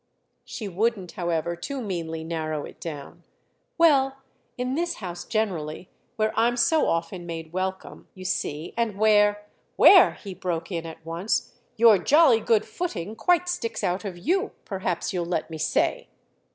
She wouldn't, however, too meanly narrow it down. "Well, in this house generally; where I'm so often made welcome, you see, and where——" "Where," he broke in at once, "your jolly good footing quite sticks out of you, perhaps you'll let me say!"